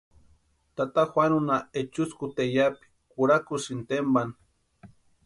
Tata Juanunha ehuskuta tayapi kurhakusïnti tempani.